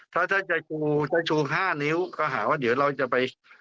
ถ้าจะชู๕นิ้วก็หาว่าเดี๋ยวเราจะไป